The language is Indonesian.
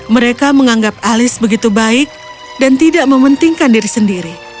mereka menganggap alice begitu baik dan tidak mementingkan diri sendiri